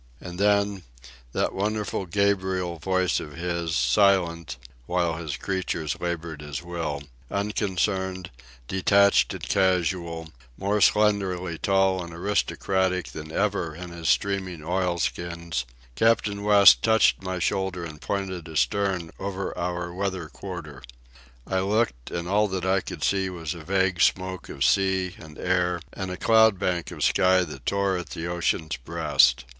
And then, that wonderful Gabriel voice of his, silent (while his creatures laboured his will), unconcerned, detached and casual, more slenderly tall and aristocratic than ever in his streaming oilskins, Captain West touched my shoulder and pointed astern over our weather quarter. I looked, and all that I could see was a vague smoke of sea and air and a cloud bank of sky that tore at the ocean's breast.